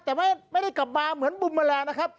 แต่ไม่ได้กระบาลเหมือนบุมเมอร์แรงนะครับ